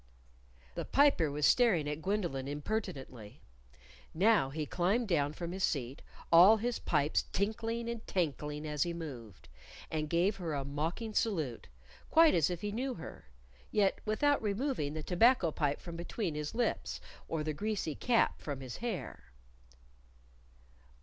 The Piper was staring at Gwendolyn impertinently. Now he climbed down from his seat, all his pipes tinkling and tankling as he moved, and gave her a mocking salute, quite as if he knew her yet without removing the tobacco pipe from between his lips, or the greasy cap from his hair.